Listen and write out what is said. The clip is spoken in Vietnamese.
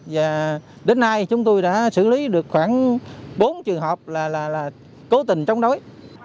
và đến nay chúng tôi đã xử lý được khoảng bốn trường hợp là cố tình chống đối